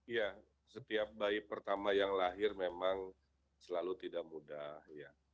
ya setiap bayi pertama yang lahir memang selalu tidak mudah ya